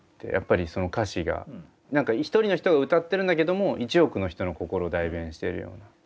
やっぱりその歌詞が何か一人の人が歌ってるんだけども１億の人の心を代弁しているような。